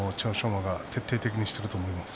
馬が徹底的に取っていると思います。